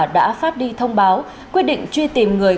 đã phát đi thông báo quyết định truy tìm người